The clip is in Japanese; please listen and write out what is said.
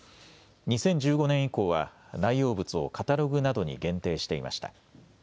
２０１５年以降は内容物をカタログなどに限定していました。